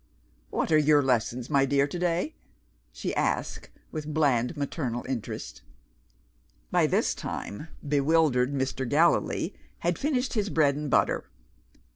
"What are your lessons, my dear, to day?" she asked, with bland maternal interest. By this time, bewildered Mr. Gallilee had finished his bread and butter.